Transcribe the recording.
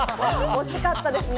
惜しかったですね。